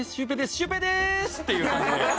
「シュウペイでーす。」っていう感じで。